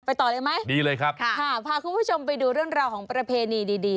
ต่อเลยไหมดีเลยครับค่ะพาคุณผู้ชมไปดูเรื่องราวของประเพณีดีดี